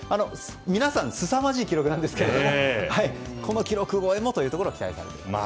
皆さんすさまじい記録なんですけどこの記録超えもということが期待されています。